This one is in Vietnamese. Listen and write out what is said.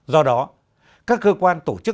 do đó các cơ quan tổ chức